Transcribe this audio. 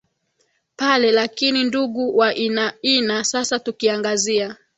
pale lakini ndugu wainaina sasa tukiangazia